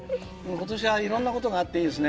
今年はいろんなことがあってですね